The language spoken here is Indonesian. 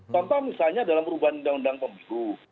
contoh misalnya dalam perubahan undang undang pemilu